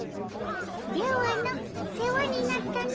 ではの世話になったの。